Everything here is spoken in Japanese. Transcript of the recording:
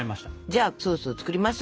じゃあソースを作ります。